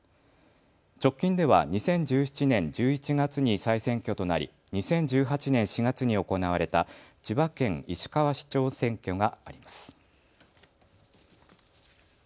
直近では２０１７年１１月に再選挙となり２０１８年４月に行われた千葉県市川市長選挙があります。